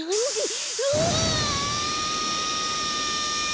うわ！